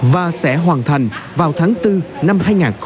và sẽ hoàn thành vào tháng bốn năm hai nghìn hai mươi